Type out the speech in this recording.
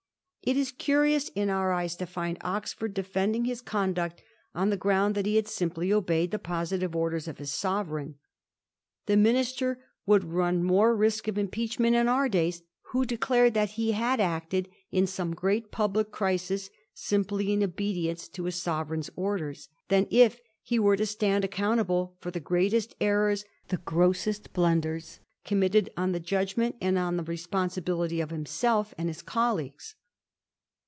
It is curious, in our eyes, to find Oxford defending his conduct on the ground that he had simply obeyed the positive orders of his sovereign. The minister would run more risk of impeachment, in our days, who declared that he had acted in some great public crisis simply in obedience to his sovereign's orders, than if he were to stand accountable for the great est errors, the grossest blunders, committed on the judgment and on the responsibility of himself and his colleagues.